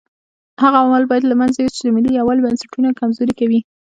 هغه عوامل باید له منځه یوسو چې د ملي یووالي بنسټونه کمزوري کوي.